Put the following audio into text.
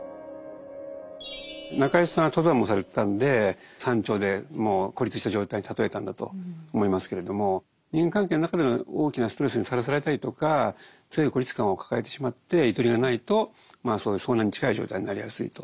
中井さんは登山もされてたんで山頂でもう孤立した状態に例えたんだと思いますけれども人間関係の中で大きなストレスにさらされたりとか常に孤立感を抱えてしまってゆとりがないとそういう遭難に近い状態になりやすいと。